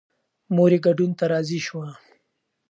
مور یې ګډون ته راضي شوه.